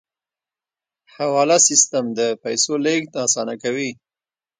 حواله سیستم د پیسو لیږد اسانه کوي